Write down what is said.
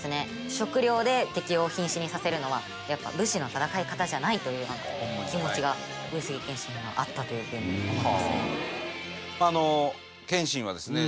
食料で敵を瀕死にさせるのはやっぱ武士の戦い方じゃないというような気持ちが上杉謙信にはあったというふうに思いますね。